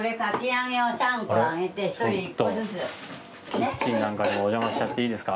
キッチンなんかにお邪魔しちゃっていいですか？